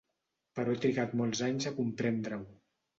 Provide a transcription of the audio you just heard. Però he trigat molts anys a comprendre-ho.